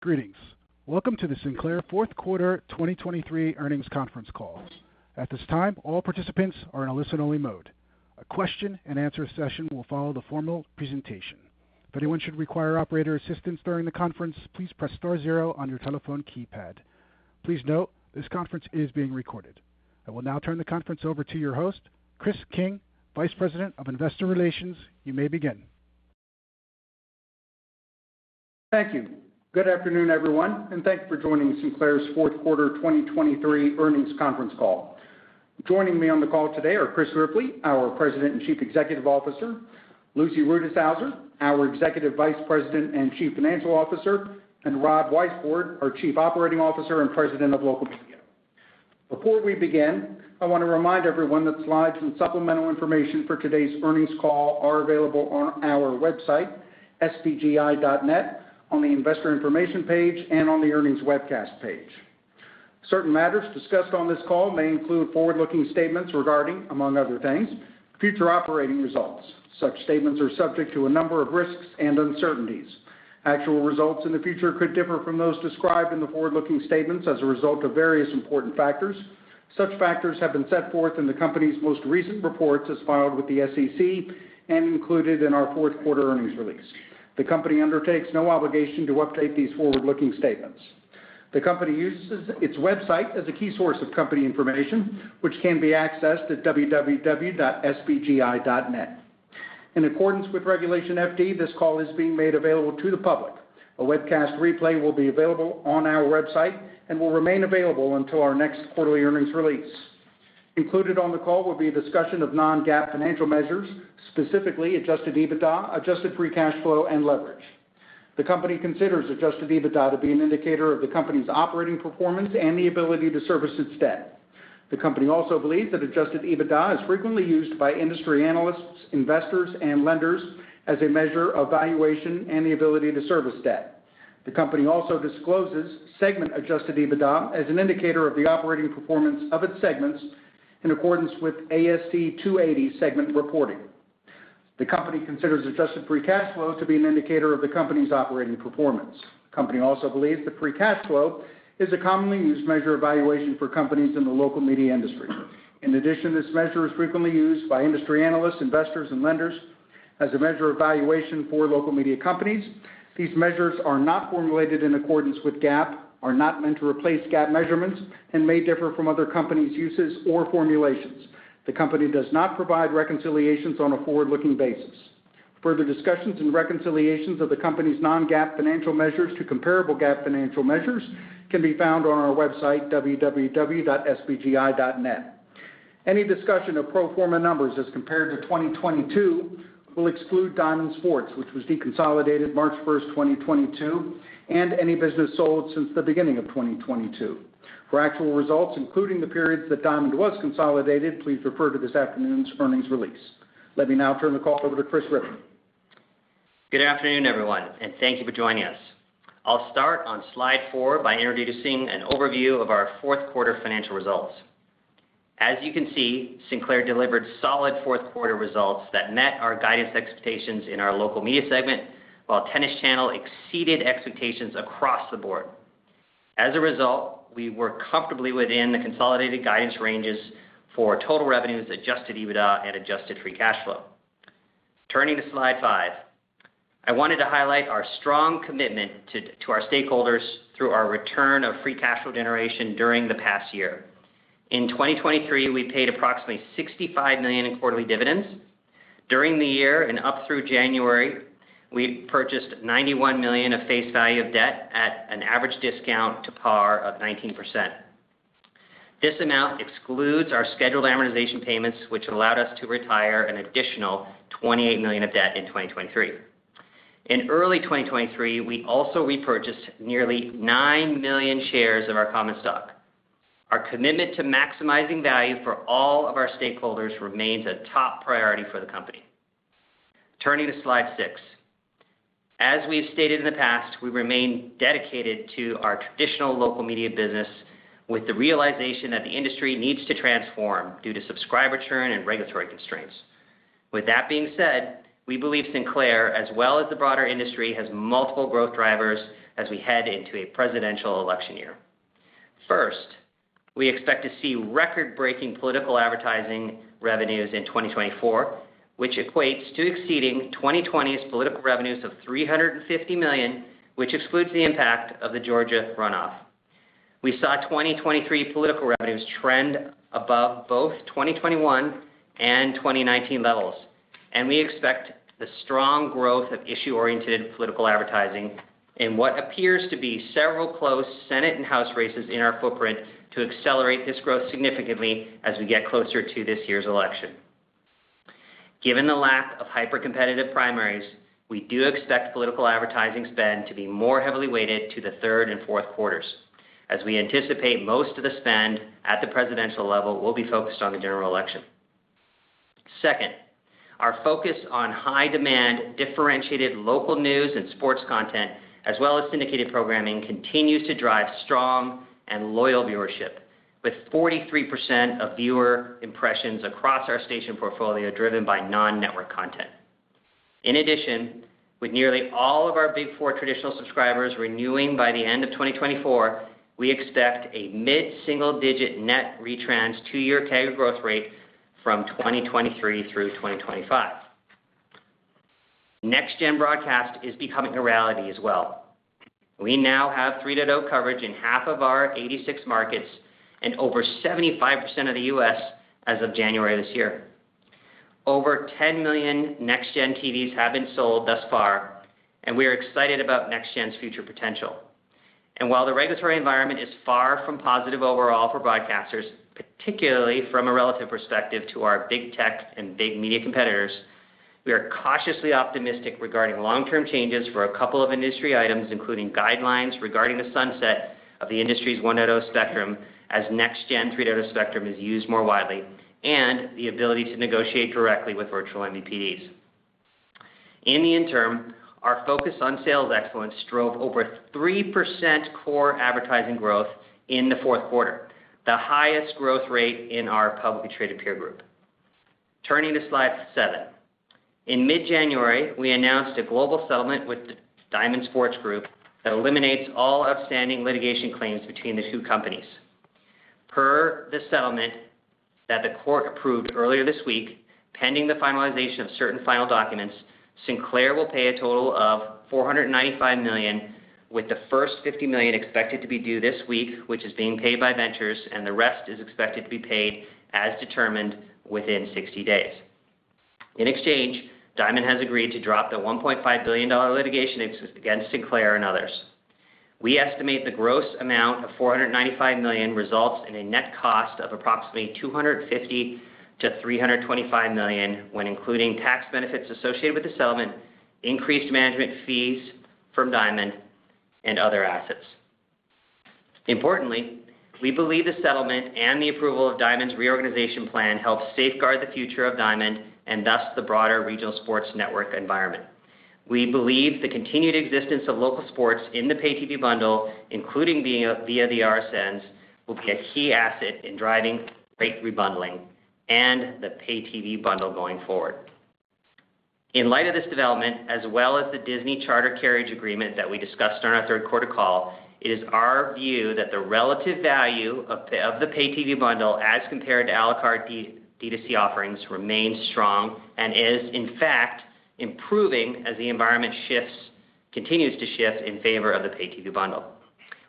Greetings. Welcome to the Sinclair Fourth Quarter 2023 Earnings Conference Call. At this time, all participants are in a listen-only mode. A question-and-answer session will follow the formal presentation. If anyone should require operator assistance during the conference, please press star zero on your telephone keypad. Please note, this conference is being recorded. I will now turn the conference over to your host, Chris King, Vice President of Investor Relations. You may begin. Thank you. Good afternoon, everyone, and thank you for joining Sinclair's Fourth Quarter 2023 Earnings Conference Call. Joining me on the call today are Chris Ripley, our President and Chief Executive Officer, Lucy Rutishauser, our Executive Vice President and Chief Financial Officer, and Rob Weisbord, our Chief Operating Officer and President of Local Media. Before we begin, I want to remind everyone that slides and supplemental information for today's earnings call are available on our website, sbgi.net, on the Investor Information page, and on the Earnings Webcast page. Certain matters discussed on this call may include forward-looking statements regarding, among other things, future operating results. Such statements are subject to a number of risks and uncertainties. Actual results in the future could differ from those described in the forward-looking statements as a result of various important factors. Such factors have been set forth in the company's most recent reports as filed with the SEC and included in our Fourth Quarter Earnings Release. The company undertakes no obligation to update these forward-looking statements. The company uses its website as a key source of company information, which can be accessed at www.sbgi.net. In accordance with Regulation FD, this call is being made available to the public. A webcast replay will be available on our website and will remain available until our next Quarterly Earnings Release. Included on the call will be a discussion of non-GAAP financial measures, specifically adjusted EBITDA, adjusted free cash flow, and leverage. The company considers adjusted EBITDA to be an indicator of the company's operating performance and the ability to service its debt. The company also believes that adjusted EBITDA is frequently used by industry analysts, investors, and lenders as a measure of valuation and the ability to service debt. The company also discloses segment adjusted EBITDA as an indicator of the operating performance of its segments in accordance with ASC 280 segment reporting. The company considers adjusted free cash flow to be an indicator of the company's operating performance. The company also believes that free cash flow is a commonly used measure of valuation for companies in the local media industry. In addition, this measure is frequently used by industry analysts, investors, and lenders as a measure of valuation for local media companies. These measures are not formulated in accordance with GAAP, are not meant to replace GAAP measurements, and may differ from other companies' uses or formulations. The company does not provide reconciliations on a forward-looking basis. Further discussions and reconciliations of the company's non-GAAP financial measures to comparable GAAP financial measures can be found on our website, www.sbgi.net. Any discussion of pro forma numbers as compared to 2022 will exclude Diamond Sports, which was deconsolidated March 1st, 2022, and any business sold since the beginning of 2022. For actual results, including the periods that Diamond was consolidated, please refer to this afternoon's earnings release. Let me now turn the call over to Chris Ripley. Good afternoon, everyone, and thank you for joining us. I'll start on slide four by introducing an overview of our Fourth Quarter financial results. As you can see, Sinclair delivered solid Fourth Quarter results that met our guidance expectations in our local media segment, while Tennis Channel exceeded expectations across the board. As a result, we were comfortably within the consolidated guidance ranges for total revenues, adjusted EBITDA, and adjusted free cash flow. Turning to slide five, I wanted to highlight our strong commitment to our stakeholders through our return of free cash flow generation during the past year. In 2023, we paid approximately $65 million in quarterly dividends. During the year and up through January, we purchased $91 million of face value of debt at an average discount to par of 19%. This amount excludes our scheduled amortization payments, which allowed us to retire an additional $28 million of debt in 2023. In early 2023, we also repurchased nearly 9 million shares of our common stock. Our commitment to maximizing value for all of our stakeholders remains a top priority for the company. Turning to slide six, as we have stated in the past, we remain dedicated to our traditional local media business with the realization that the industry needs to transform due to subscriber churn and regulatory constraints. With that being said, we believe Sinclair, as well as the broader industry, has multiple growth drivers as we head into a presidential election year. First, we expect to see record-breaking political advertising revenues in 2024, which equates to exceeding 2020's political revenues of $350 million, which excludes the impact of the Georgia runoff. We saw 2023 political revenues trend above both 2021 and 2019 levels, and we expect the strong growth of issue-oriented political advertising in what appears to be several close Senate and House races in our footprint to accelerate this growth significantly as we get closer to this year's election. Given the lack of hyper-competitive primaries, we do expect political advertising spend to be more heavily weighted to the third and fourth quarters, as we anticipate most of the spend at the presidential level will be focused on the general election. Second, our focus on high-demand differentiated local news and sports content, as well as syndicated programming, continues to drive strong and loyal viewership, with 43% of viewer impressions across our station portfolio driven by non-network content. In addition, with nearly all of our Big Four traditional subscribers renewing by the end of 2024, we expect a mid-single-digit Net Retrans two-year CAGR growth rate from 2023 through 2025. NEXTGEN broadcast is becoming a reality as well. We now have 3.0 coverage in half of our 86 markets and over 75% of the U.S. as of January this year. Over 10 million NEXTGEN TVs have been sold thus far, and we are excited about NEXTGEN's future potential. And while the regulatory environment is far from positive overall for broadcasters, particularly from a relative perspective to our big tech and big media competitors, we are cautiously optimistic regarding long-term changes for a couple of industry items, including guidelines regarding the sunset of the industry's 1.0 spectrum as NEXTGEN 3.0 spectrum is used more widely, and the ability to negotiate directly with virtual MVPDs. In the interim, our focus on sales excellence drove over 3% core advertising growth in the fourth quarter, the highest growth rate in our publicly traded peer group. Turning to slide seven, in mid-January, we announced a global settlement with Diamond Sports Group that eliminates all outstanding litigation claims between the two companies. Per the settlement that the court approved earlier this week, pending the finalization of certain final documents, Sinclair will pay a total of $495 million, with the first $50 million expected to be due this week, which is being paid by Ventures, and the rest is expected to be paid as determined within 60 days. In exchange, Diamond has agreed to drop the $1.5 billion litigation against Sinclair and others. We estimate the gross amount of $495 million results in a net cost of approximately $250 million-$325 million when including tax benefits associated with the settlement, increased management fees from Diamond, and other assets. Importantly, we believe the settlement and the approval of Diamond's reorganization plan help safeguard the future of Diamond and thus the broader regional sports network environment. We believe the continued existence of local sports in the pay-TV bundle, including via the RSNs, will be a key asset in driving rate rebundling and the pay-TV bundle going forward. In light of this development, as well as the Disney Charter Carriage Agreement that we discussed on our third quarter call, it is our view that the relative value of the pay-TV bundle as compared to à la carte D2C offerings remains strong and is, in fact, improving as the environment continues to shift in favor of the pay-TV bundle.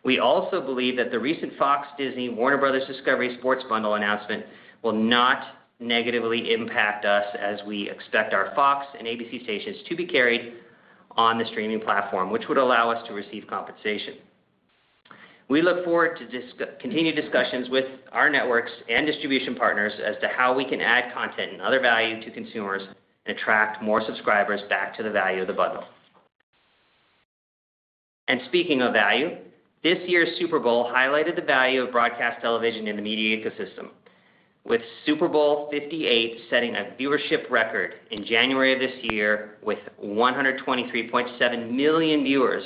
We also believe that the recent Fox/Disney Warner Bros. Discovery Sports bundle announcement will not negatively impact us as we expect our Fox and ABC stations to be carried on the streaming platform, which would allow us to receive compensation. We look forward to continued discussions with our networks and distribution partners as to how we can add content and other value to consumers and attract more subscribers back to the value of the bundle. And speaking of value, this year's Super Bowl highlighted the value of broadcast television in the media ecosystem, with Super Bowl LVIII setting a viewership record in January of this year with 123.7 million viewers,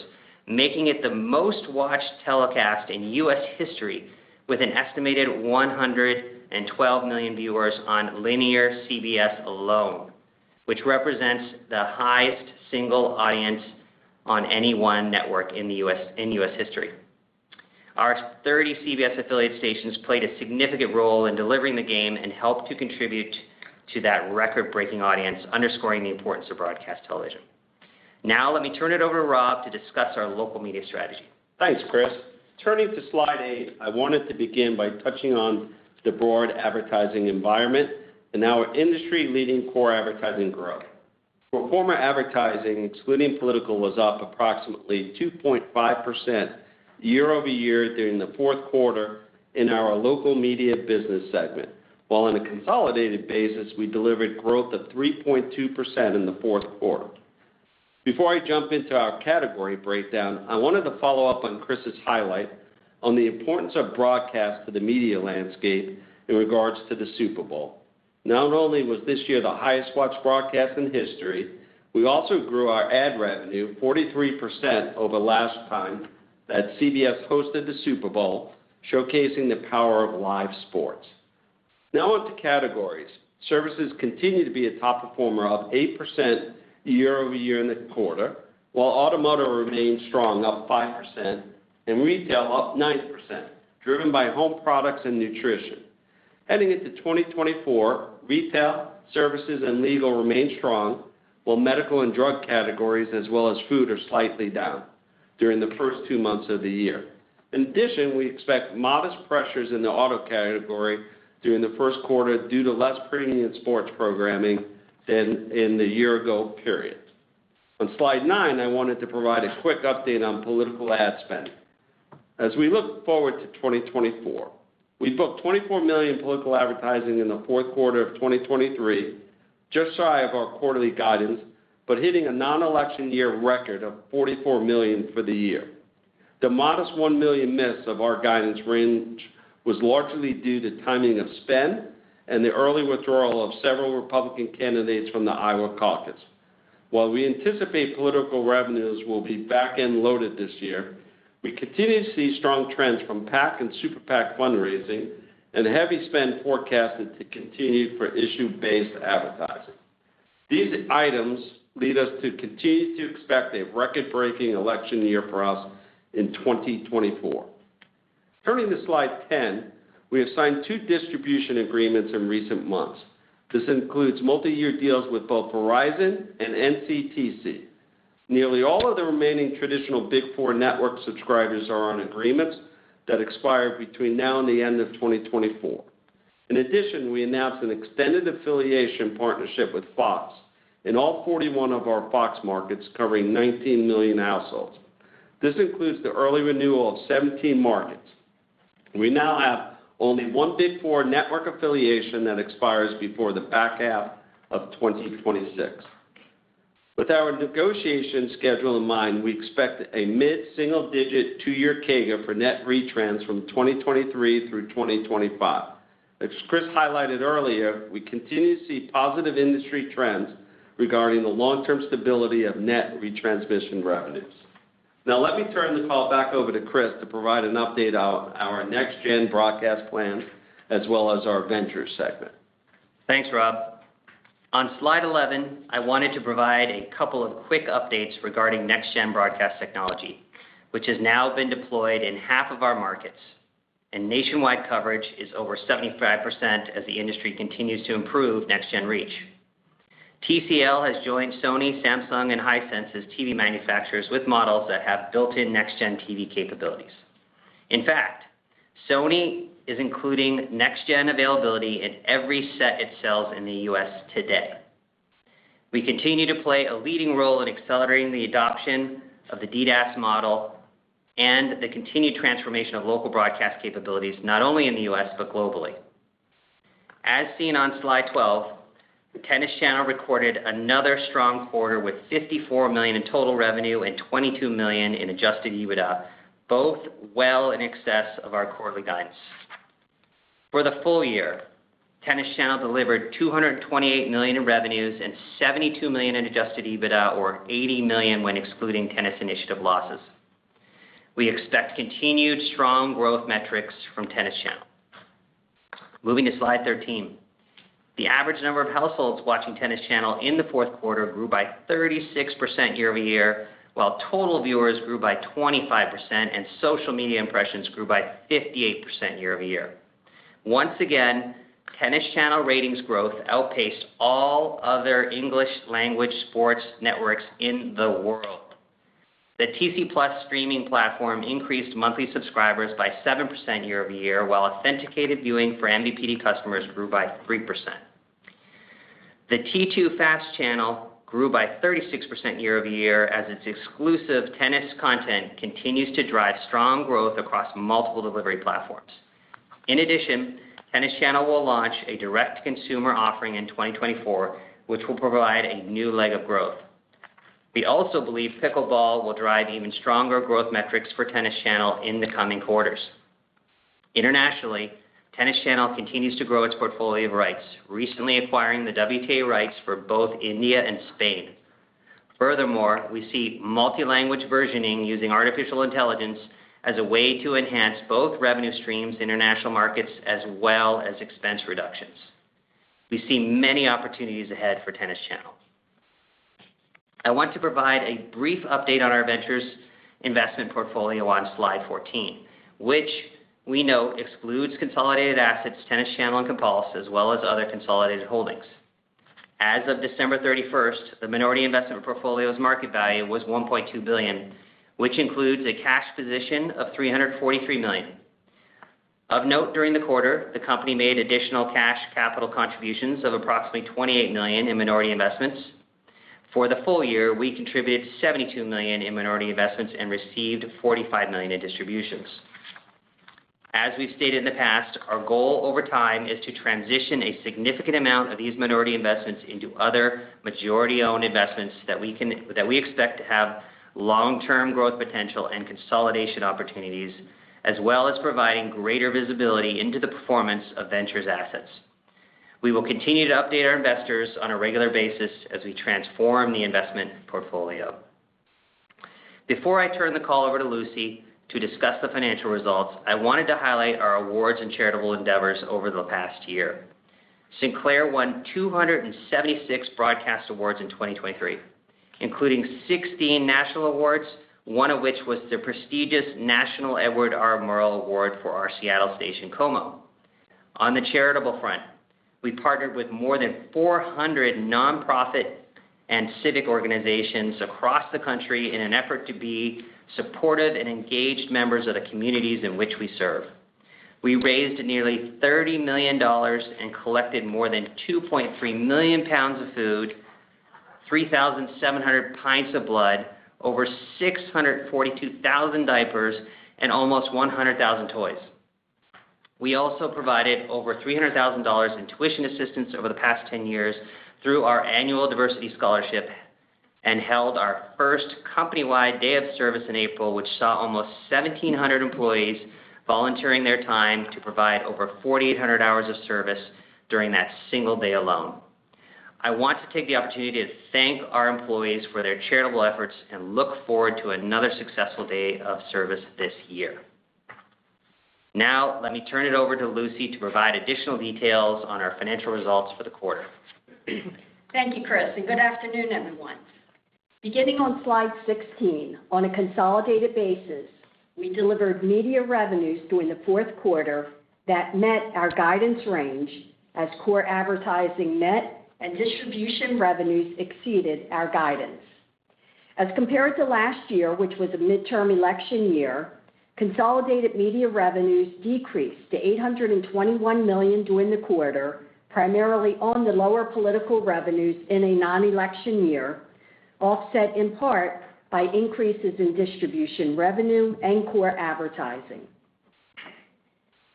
making it the most-watched telecast in U.S. history with an estimated 112 million viewers on linear CBS alone, which represents the highest single audience on any one network in U.S. history. Our 30 CBS affiliate stations played a significant role in delivering the game and helped to contribute to that record-breaking audience, underscoring the importance of broadcast television. Now let me turn it over to Rob to discuss our local media strategy. Thanks, Chris. Turning to slide eight, I wanted to begin by touching on the broad advertising environment and our industry-leading core advertising growth. Core advertising, excluding political, was up approximately 2.5% year-over-year during the fourth quarter in our Local Media business segment, while on a consolidated basis, we delivered growth of 3.2% in the fourth quarter. Before I jump into our category breakdown, I wanted to follow up on Chris's highlight on the importance of broadcast to the media landscape in regards to the Super Bowl. Not only was this year the highest-watched broadcast in history, we also grew our ad revenue 43% over last time that CBS hosted the Super Bowl, showcasing the power of live sports. Now onto categories. Services continue to be a top performer of 8% year-over-year in the quarter, while automotive remains strong, up 5%, and retail up 9%, driven by home products and nutrition. Heading into 2024, retail, services, and legal remain strong, while medical and drug categories, as well as food, are slightly down during the first two months of the year. In addition, we expect modest pressures in the auto category during the first quarter due to less premium sports programming than in the year-ago period. On slide nine, I wanted to provide a quick update on political ad spend. As we look forward to 2024, we booked $24 million political advertising in the fourth quarter of 2023, just shy of our quarterly guidance, but hitting a non-election year record of $44 million for the year. The modest $1 million miss of our guidance range was largely due to timing of spend and the early withdrawal of several Republican candidates from the Iowa caucus. While we anticipate political revenues will be back-end loaded this year, we continue to see strong trends from PAC and Super PAC fundraising and heavy spend forecasted to continue for issue-based advertising. These items lead us to continue to expect a record-breaking election year for us in 2024. Turning to slide 10, we have signed two distribution agreements in recent months. This includes multi-year deals with both Verizon and NCTC. Nearly all of the remaining traditional Big Four network subscribers are on agreements that expire between now and the end of 2024. In addition, we announced an extended affiliation partnership with Fox in all 41 of our Fox markets, covering 19 million households. This includes the early renewal of 17 markets. We now have only one Big Four network affiliation that expires before the back half of 2026. With our negotiation schedule in mind, we expect a mid-single-digit two-year CAGR for net retrans from 2023 through 2025. As Chris highlighted earlier, we continue to see positive industry trends regarding the long-term stability of net retransmission revenues. Now let me turn the call back over to Chris to provide an update on our NEXTGEN broadcast plan as well as our venture segment. Thanks, Rob. On slide 11, I wanted to provide a couple of quick updates regarding NEXTGEN broadcast technology, which has now been deployed in half of our markets, and nationwide coverage is over 75% as the industry continues to improve NEXTGEN reach. TCL has joined Sony, Samsung, and Hisense's TV manufacturers with models that have built-in NEXTGEN TV capabilities. In fact, Sony is including NEXTGEN availability in every set it sells in the U.S. today. We continue to play a leading role in accelerating the adoption of the DDaaS model and the continued transformation of local broadcast capabilities not only in the U.S. but globally. As seen on slide 12, Tennis Channel recorded another strong quarter with $54 million in total revenue and $22 million in adjusted EBITDA, both well in excess of our quarterly guidance. For the full year, Tennis Channel delivered $228 million in revenues and $72 million in adjusted EBITDA, or $80 million when excluding tennis initiative losses. We expect continued strong growth metrics from Tennis Channel. Moving to slide 13, the average number of households watching Tennis Channel in the fourth quarter grew by 36% year-over-year, while total viewers grew by 25% and social media impressions grew by 58% year-over-year. Once again, Tennis Channel ratings growth outpaced all other English-language sports networks in the world. The TC+ streaming platform increased monthly subscribers by 7% year-over-year, while authenticated viewing for MVPD customers grew by 3%. The T2 FAST Channel grew by 36% year-over-year as its exclusive tennis content continues to drive strong growth across multiple delivery platforms. In addition, Tennis Channel will launch a direct-to-consumer offering in 2024, which will provide a new leg of growth. We also believe Pickleball will drive even stronger growth metrics for Tennis Channel in the coming quarters. Internationally, Tennis Channel continues to grow its portfolio of rights, recently acquiring the WTA rights for both India and Spain. Furthermore, we see multilanguage versioning using artificial intelligence as a way to enhance both revenue streams in international markets as well as expense reductions. We see many opportunities ahead for Tennis Channel. I want to provide a brief update on our ventures investment portfolio on slide 14, which we note excludes consolidated assets, Tennis Channel and Compulse, as well as other consolidated holdings. As of December 31st, the minority investment portfolio's market value was $1.2 billion, which includes a cash position of $343 million. Of note, during the quarter, the company made additional cash capital contributions of approximately $28 million in minority investments. For the full year, we contributed $72 million in minority investments and received $45 million in distributions. As we've stated in the past, our goal over time is to transition a significant amount of these minority investments into other majority-owned investments that we expect to have long-term growth potential and consolidation opportunities, as well as providing greater visibility into the performance of ventures' assets. We will continue to update our investors on a regular basis as we transform the investment portfolio. Before I turn the call over to Lucy to discuss the financial results, I wanted to highlight our awards and charitable endeavors over the past year. Sinclair won 276 broadcast awards in 2023, including 16 national awards, one of which was the prestigious National Edward R. Murrow Award for our Seattle station KOMO. On the charitable front, we partnered with more than 400 nonprofit and civic organizations across the country in an effort to be supportive and engaged members of the communities in which we serve. We raised nearly $30 million and collected more than 2.3 million pounds of food, 3,700 pints of blood, over 642,000 diapers, and almost 100,000 toys. We also provided over $300,000 in tuition assistance over the past 10 years through our annual diversity scholarship and held our first company-wide day of service in April, which saw almost 1,700 employees volunteering their time to provide over 4,800 hours of service during that single day alone. I want to take the opportunity to thank our employees for their charitable efforts and look forward to another successful day of service this year. Now let me turn it over to Lucy to provide additional details on our financial results for the quarter. Thank you, Chris, and good afternoon, everyone. Beginning on slide 16, on a consolidated basis, we delivered media revenues during the fourth quarter that met our guidance range as core advertising net and distribution revenues exceeded our guidance. As compared to last year, which was a midterm election year, consolidated media revenues decreased to $821 million during the quarter, primarily on the lower political revenues in a non-election year, offset in part by increases in distribution revenue and core advertising.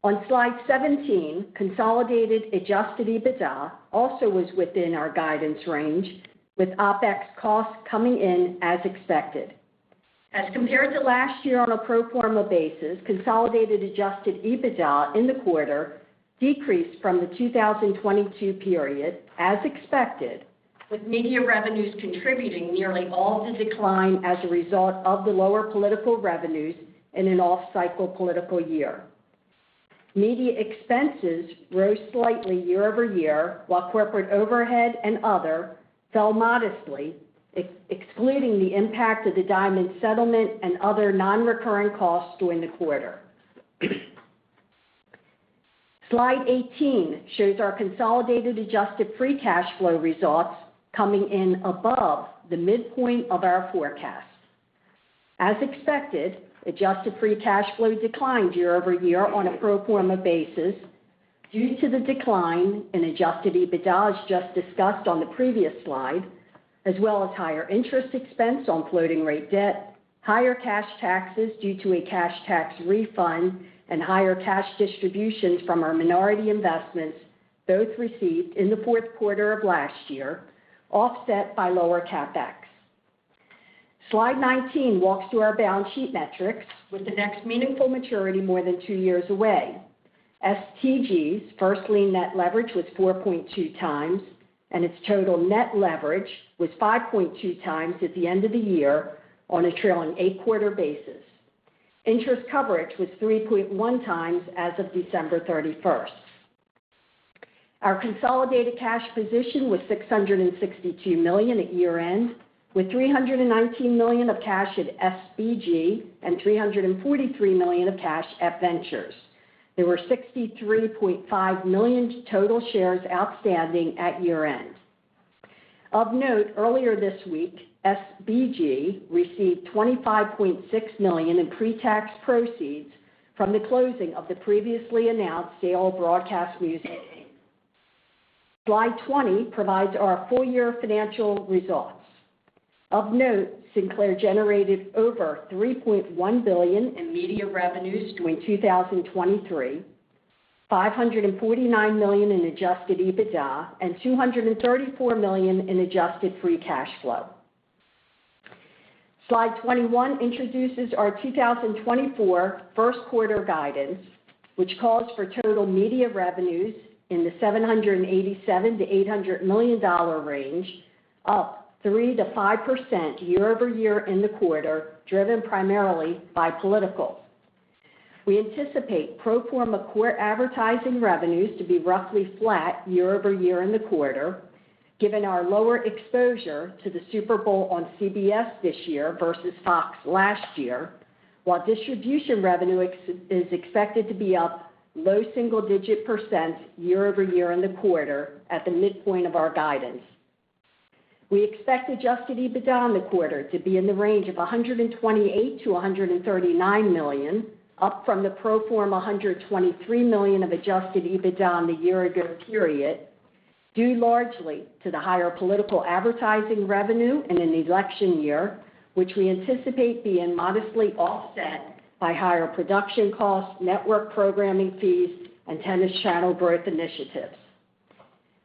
On slide 17, consolidated adjusted EBITDA also was within our guidance range, with OpEx costs coming in as expected. As compared to last year on a pro forma basis, consolidated adjusted EBITDA in the quarter decreased from the 2022 period as expected, with media revenues contributing nearly all of the decline as a result of the lower political revenues in an off-cycle political year. Media expenses rose slightly year-over-year, while corporate overhead and other fell modestly, excluding the impact of the Diamond settlement and other non-recurring costs during the quarter. Slide 18 shows our consolidated adjusted free cash flow results coming in above the midpoint of our forecast. As expected, adjusted free cash flow declined year-over-year on a pro forma basis due to the decline in adjusted EBITDA as just discussed on the previous slide, as well as higher interest expense on floating-rate debt, higher cash taxes due to a cash tax refund, and higher cash distributions from our minority investments, both received in the fourth quarter of last year, offset by lower CapEx. Slide 19 walks through our balance sheet metrics with the next meaningful maturity more than two years away. STG's first lien net leverage was 4.2x, and its total net leverage was 5.2x at the end of the year on a trailing eight-quarter basis. Interest coverage was 3.1x as of December 31st. Our consolidated cash position was $662 million at year-end, with $319 million of cash at SBG and $343 million of cash at ventures. There were 63.5 million total shares outstanding at year-end. Of note, earlier this week, SBG received $25.6 million in pre-tax proceeds from the closing of the previously announced sale of Broadcast Music. Slide 20 provides our full-year financial results. Of note, Sinclair generated over $3.1 billion in media revenues during 2023, $549 million in adjusted EBITDA, and $234 million in adjusted free cash flow. Slide 21 introduces our 2024 first-quarter guidance, which calls for total media revenues in the $787-$800 million range, up 3%-5% year-over-year in the quarter, driven primarily by political. We anticipate pro forma core advertising revenues to be roughly flat year-over-year in the quarter, given our lower exposure to the Super Bowl on CBS this year versus Fox last year, while distribution revenue is expected to be up low single-digit % year-over-year in the quarter at the midpoint of our guidance. We expect adjusted EBITDA on the quarter to be in the range of $128-$139 million, up from the pro forma $123 million of adjusted EBITDA on the year-ago period, due largely to the higher political advertising revenue in an election year, which we anticipate being modestly offset by higher production costs, network programming fees, and Tennis Channel growth initiatives.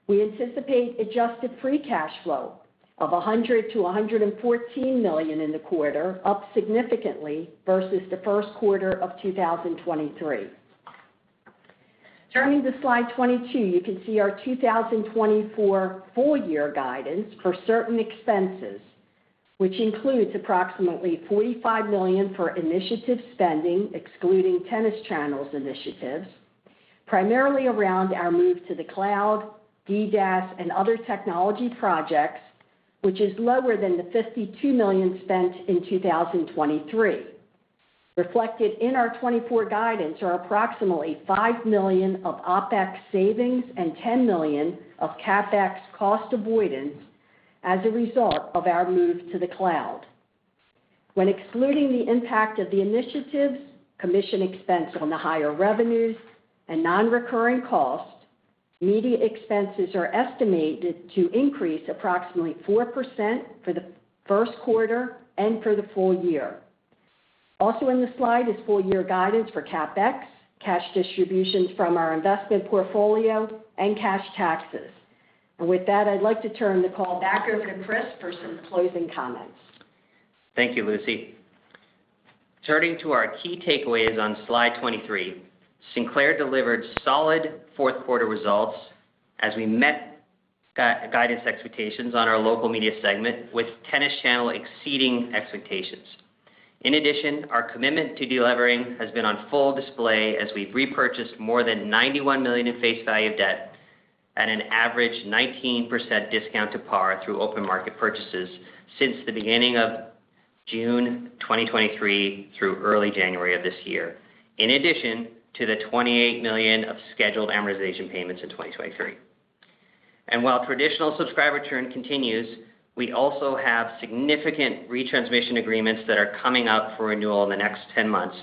We anticipate adjusted free cash flow of $100-$114 million in the quarter, up significantly versus the first quarter of 2023. Turning to slide 22, you can see our 2024 full-year guidance for certain expenses, which includes approximately $45 million for initiative spending, excluding Tennis Channel's initiatives, primarily around our move to the cloud, DDAS, and other technology projects, which is lower than the $52 million spent in 2023. Reflected in our 2024 guidance are approximately $5 million of OpEx savings and $10 million of CapEx cost avoidance as a result of our move to the cloud. When excluding the impact of the initiatives, commission expense on the higher revenues, and non-recurring costs, media expenses are estimated to increase approximately 4% for the first quarter and for the full year. Also in the slide is full-year guidance for CapEx, cash distributions from our investment portfolio, and cash taxes. With that, I'd like to turn the call back over to Chris for some closing comments. Thank you, Lucy. Turning to our key takeaways on slide 23, Sinclair delivered solid fourth-quarter results as we met guidance expectations on our local media segment, with Tennis Channel exceeding expectations. In addition, our commitment to delivering has been on full display as we've repurchased more than $91 million in face value debt at an average 19% discount to par through open market purchases since the beginning of June 2023 through early January of this year, in addition to the $28 million of scheduled amortization payments in 2023. While traditional subscriber churn continues, we also have significant retransmission agreements that are coming up for renewal in the next 10 months,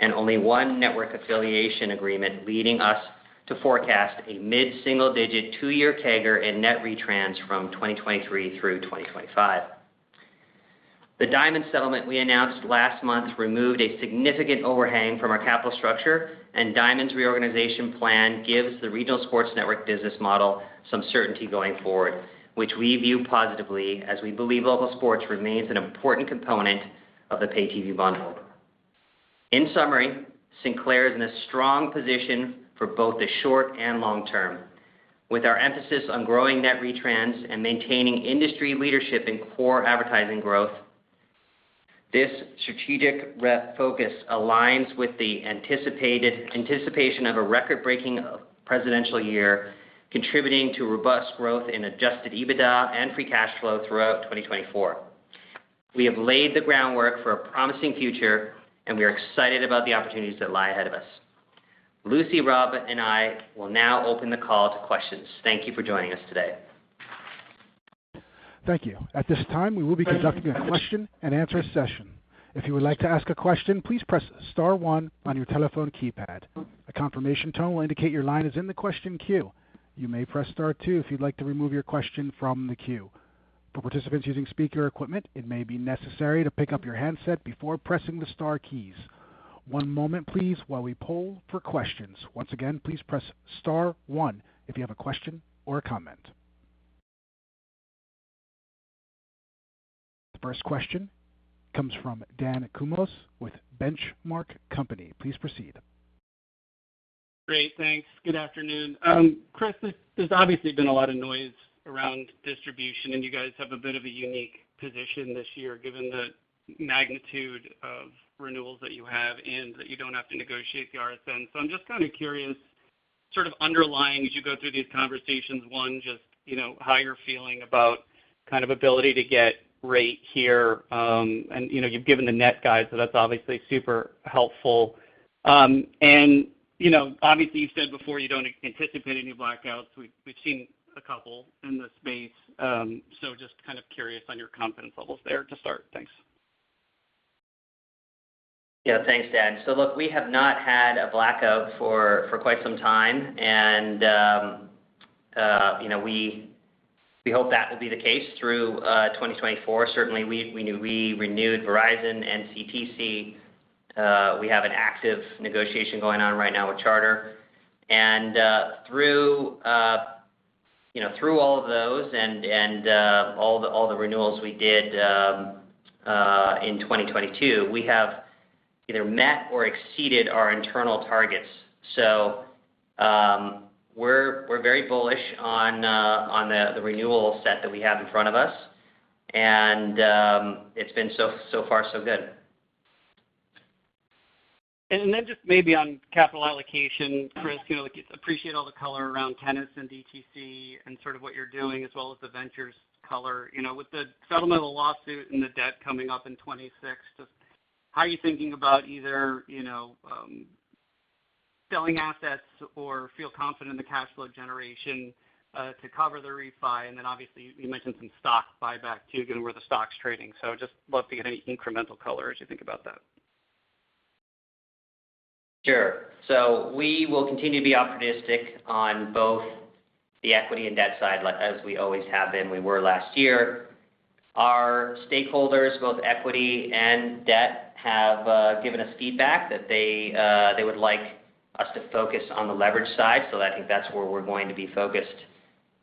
and only one network affiliation agreement leading us to forecast a mid-single-digit two-year CAGR and net retrans from 2023 through 2025. The Diamond settlement we announced last month removed a significant overhang from our capital structure, and Diamond's reorganization plan gives the regional sports network business model some certainty going forward, which we view positively as we believe local sports remains an important component of the pay-TV bundle. In summary, Sinclair is in a strong position for both the short and long term. With our emphasis on growing Net Retrans and maintaining industry leadership in core advertising growth, this strategic focus aligns with the anticipation of a record-breaking presidential year contributing to robust growth in adjusted EBITDA and free cash flow throughout 2024. We have laid the groundwork for a promising future, and we are excited about the opportunities that lie ahead of us. Lucy, Rob, and I will now open the call to questions. Thank you for joining us today. Thank you. At this time, we will be conducting a question-and-answer session. If you would like to ask a question, please press star one on your telephone keypad. A confirmation tone will indicate your line is in the question queue. You may press star two if you'd like to remove your question from the queue. For participants using speaker equipment, it may be necessary to pick up your handset before pressing the star keys. One moment, please, while we poll for questions. Once again, please press star one if you have a question or a comment. The first question comes from Dan Kurnos with Benchmark Company. Please proceed. Great. Thanks. Good afternoon. Chris, there's obviously been a lot of noise around distribution, and you guys have a bit of a unique position this year given the magnitude of renewals that you have and that you don't have to negotiate the RSN. So I'm just kind of curious, sort of underlying as you go through these conversations, one, just how you're feeling about kind of ability to get rate here. And you've given the net guide, so that's obviously super helpful. And obviously, you've said before you don't anticipate any blackouts. We've seen a couple in the space. So just kind of curious on your confidence levels there to start. Thanks. Yeah. Thanks, Dan. So look, we have not had a blackout for quite some time, and we hope that will be the case through 2024. Certainly, we renewed Verizon and NCTC. We have an active negotiation going on right now with Charter. And through all of those and all the renewals we did in 2022, we have either met or exceeded our internal targets. So we're very bullish on the renewal set that we have in front of us, and it's been so far, so good. Then just maybe on capital allocation. Chris, I appreciate all the color around Tennis and DTC and sort of what you're doing, as well as the ventures color. With the settlement of the lawsuit and the debt coming up in 2026, just how are you thinking about either selling assets or feel confident in the cash flow generation to cover the refi? And then obviously, you mentioned some stock buyback too, given where the stock's trading. So just love to get any incremental color as you think about that. Sure. So we will continue to be optimistic on both the equity and debt side, as we always have been. We were last year. Our stakeholders, both equity and debt, have given us feedback that they would like us to focus on the leverage side. So I think that's where we're going to be focused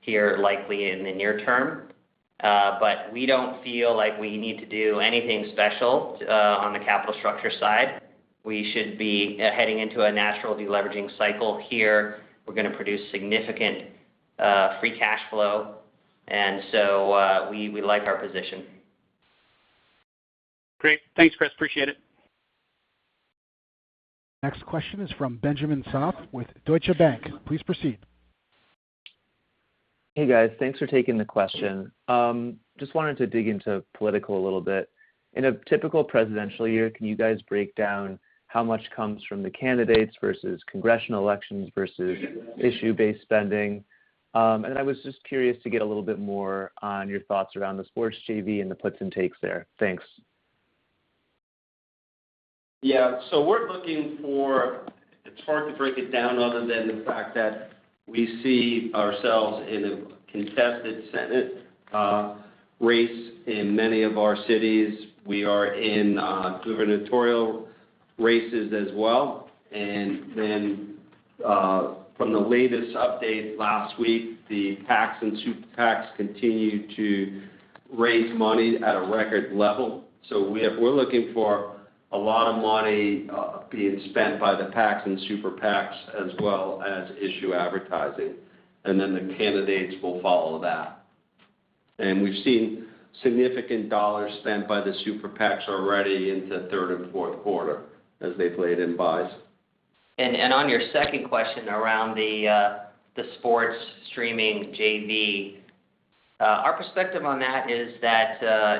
here, likely in the near term. But we don't feel like we need to do anything special on the capital structure side. We should be heading into a natural deleveraging cycle here. We're going to produce significant free cash flow, and so we like our position. Great. Thanks, Chris. Appreciate it. Next question is from Benjamin Soff with Deutsche Bank. Please proceed. Hey, guys. Thanks for taking the question. Just wanted to dig into politics a little bit. In a typical presidential year, can you guys break down how much comes from the candidates versus congressional elections versus issue-based spending? And then I was just curious to get a little bit more on your thoughts around the sports JV and the puts and takes there. Thanks. Yeah. So, we're looking for it. It's hard to break it down other than the fact that we see ourselves in a contested Senate race in many of our cities. We are in gubernatorial races as well. And then from the latest update last week, the PACs and Super PACs continue to raise money at a record level. So we're looking for a lot of money being spent by the PACs and Super PACs as well as issue advertising, and then the candidates will follow that. And we've seen significant dollars spent by the Super PACs already into third and fourth quarter as they've laid in buys. On your second question around the sports streaming JV, our perspective on that is that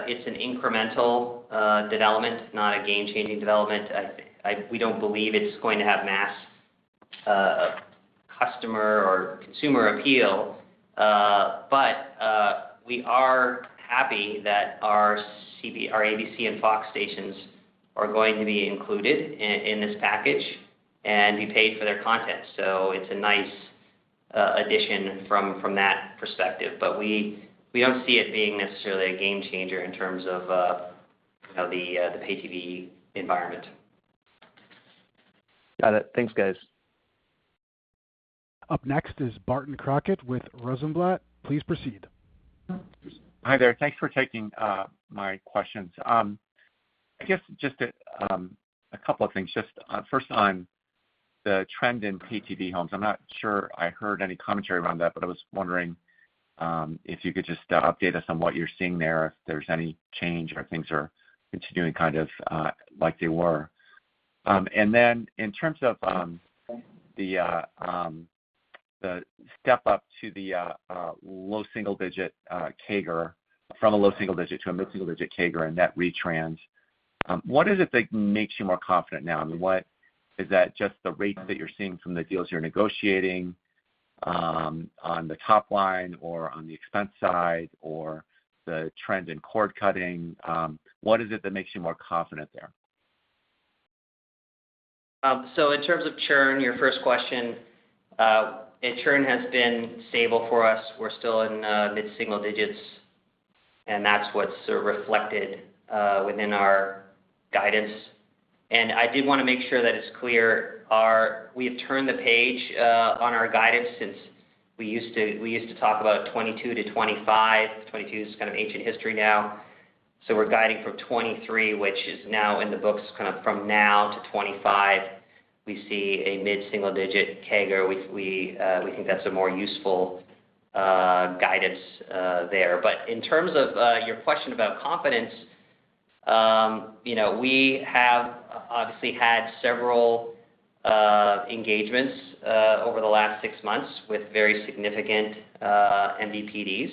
it's an incremental development, not a game-changing development. We don't believe it's going to have mass customer or consumer appeal, but we are happy that our ABC and Fox stations are going to be included in this package and be paid for their content. So it's a nice addition from that perspective. But we don't see it being necessarily a game-changer in terms of the pay-TV environment. Got it. Thanks, guys. Up next is Barton Crockett with Rosenblatt. Please proceed. Hi there. Thanks for taking my questions. I guess just a couple of things. First, on the trend in pay-TV homes. I'm not sure I heard any commentary around that, but I was wondering if you could just update us on what you're seeing there, if there's any change or things are continuing kind of like they were. And then in terms of the step up to the low single-digit CAGR, from a low single-digit to a mid-single-digit CAGR and net retrans, what is it that makes you more confident now? I mean, is that just the rates that you're seeing from the deals you're negotiating on the top line or on the expense side or the trend in cord cutting? What is it that makes you more confident there? So in terms of churn, your first question, churn has been stable for us. We're still in mid-single digits, and that's what's reflected within our guidance. And I did want to make sure that it's clear. We have turned the page on our guidance since we used to talk about 2022-2025. 2022 is kind of ancient history now. So we're guiding from 2023, which is now in the books, kind of from now to 2025, we see a mid-single-digit CAGR. We think that's a more useful guidance there. But in terms of your question about confidence, we have obviously had several engagements over the last six months with very significant MVPDs.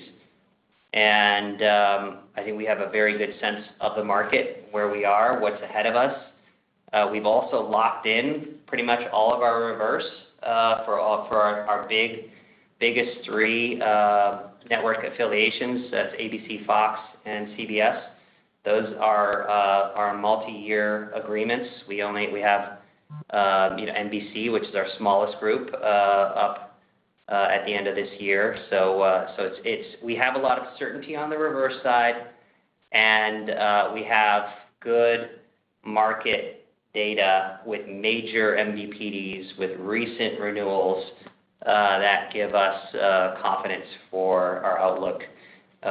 And I think we have a very good sense of the market, where we are, what's ahead of us. We've also locked in pretty much all of our reverse for our biggest three network affiliations. That's ABC, Fox, and CBS. Those are multi-year agreements. We have NBC, which is our smallest group, up at the end of this year. So we have a lot of certainty on the reverse side, and we have good market data with major MVPDs with recent renewals that give us confidence for our outlook,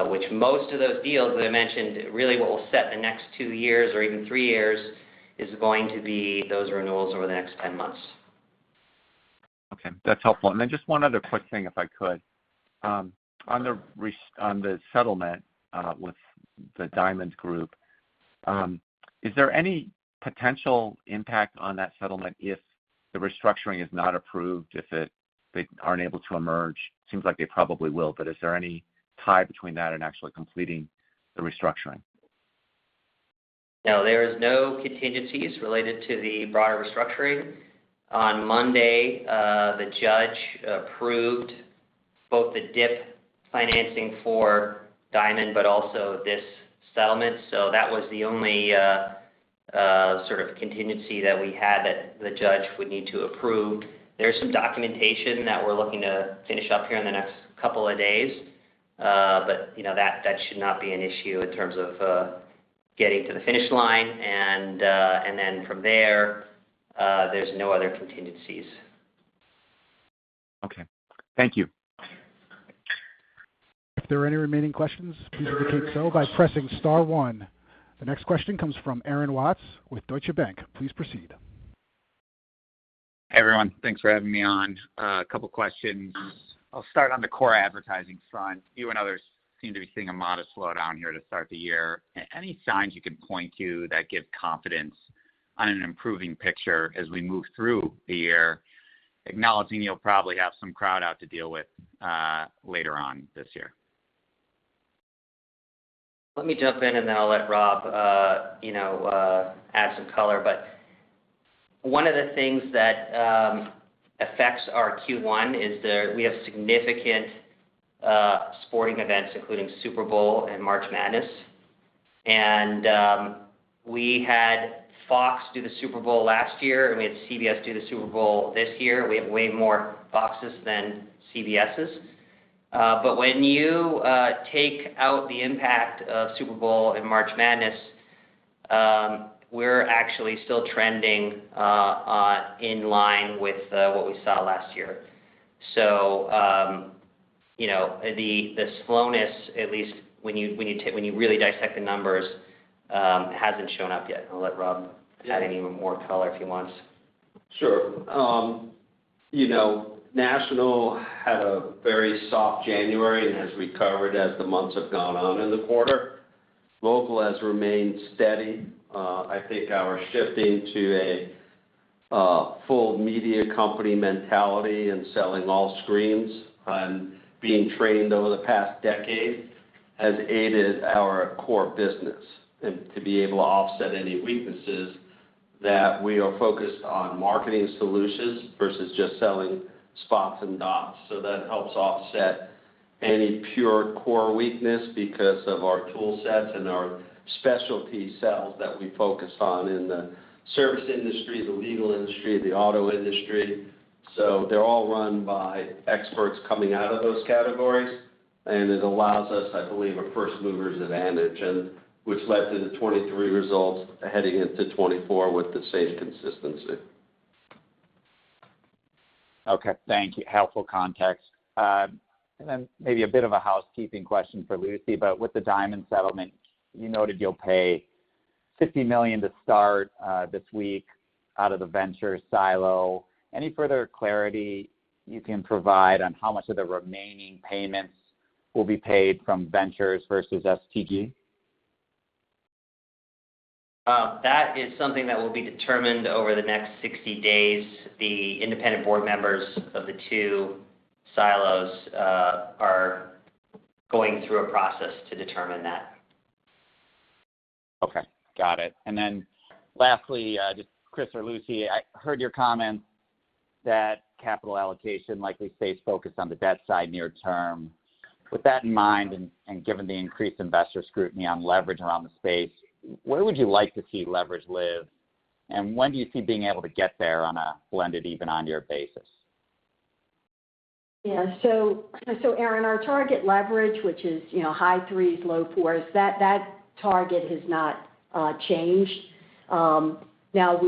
which most of those deals that I mentioned, really what will set the next two years or even three years is going to be those renewals over the next 10 months. Okay. That's helpful. And then just one other quick thing, if I could. On the settlement with the Diamond Sports Group, is there any potential impact on that settlement if the restructuring is not approved, if they aren't able to emerge? Seems like they probably will, but is there any tie between that and actually completing the restructuring? No. There are no contingencies related to the broader restructuring. On Monday, the judge approved both the DIP financing for Diamond but also this settlement. So that was the only sort of contingency that we had that the judge would need to approve. There's some documentation that we're looking to finish up here in the next couple of days, but that should not be an issue in terms of getting to the finish line. Then from there, there's no other contingencies. Okay. Thank you. If there are any remaining questions, please indicate so by pressing star one. The next question comes from Aaron Watts with Deutsche Bank. Please proceed. Hey, everyone. Thanks for having me on. A couple of questions. I'll start on the core advertising front. You and others seem to be seeing a modest slowdown here to start the year. Any signs you can point to that give confidence on an improving picture as we move through the year, acknowledging you'll probably have some crowd out to deal with later on this year? Let me jump in, and then I'll let Rob add some color. But one of the things that affects our Q1 is we have significant sporting events, including Super Bowl and March Madness. And we had Fox do the Super Bowl last year, and we had CBS do the Super Bowl this year. We have way more Foxes than CBSs. But when you take out the impact of Super Bowl and March Madness, we're actually still trending in line with what we saw last year. So the slowness, at least when you really dissect the numbers, hasn't shown up yet. I'll let Rob add any more color if he wants. Sure. National had a very soft January and has recovered as the months have gone on in the quarter. Local has remained steady. I think our shifting to a full media company mentality and selling all screens and being trained over the past decade has aided our core business and to be able to offset any weaknesses that we are focused on marketing solutions versus just selling spots and dots. So that helps offset any pure core weakness because of our toolsets and our specialty sales that we focus on in the service industry, the legal industry, the auto industry. So they're all run by experts coming out of those categories, and it allows us, I believe, a first-mover's advantage, which led to the 2023 results heading into 2024 with the same consistency. Okay. Thank you. Helpful context. And then maybe a bit of a housekeeping question for Lucy, but with the Diamond settlement, you noted you'll pay $50 million to start this week out of the venture silo. Any further clarity you can provide on how much of the remaining payments will be paid from ventures versus STG? That is something that will be determined over the next 60 days. The independent board members of the two silos are going through a process to determine that. Okay. Got it. And then lastly, just Chris or Lucy, I heard your comments that capital allocation likely stays focused on the debt side near term. With that in mind and given the increased investor scrutiny on leverage around the space, where would you like to see leverage live, and when do you see being able to get there on a blended, even on-year basis? Yeah. So, Aaron, our target leverage, which is high threes, low fours, that target has not changed. Now,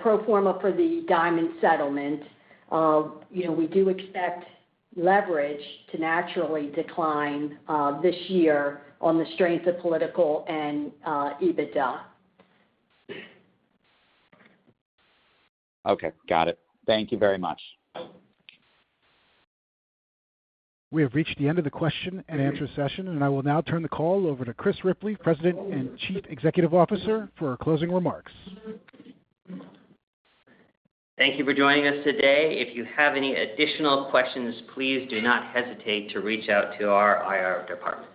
pro forma for the Diamond settlement, we do expect leverage to naturally decline this year on the strength of political and EBITDA. Okay. Got it. Thank you very much. We have reached the end of the question and answer session, and I will now turn the call over to Chris Ripley, President and Chief Executive Officer, for closing remarks. Thank you for joining us today. If you have any additional questions, please do not hesitate to reach out to our IR department.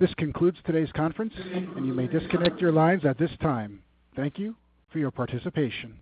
This concludes today's conference, and you may disconnect your lines at this time. Thank you for your participation.